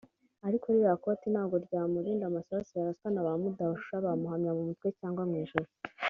ariko ririya koti ntabwo ryamurinda amasasu yaraswa na ba rudahusha bamuhamya mu mutwe cyangwa mu ijosi